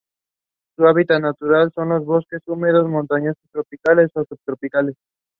Wikipedia and Medicine: Quantifying Readership, Editors, and the Significance of Natural Language.